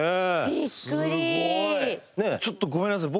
すごい！ちょっとごめんなさい。